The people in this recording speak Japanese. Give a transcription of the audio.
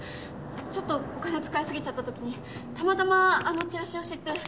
ちょっとお金使い過ぎちゃったときにたまたまあのチラシを知って。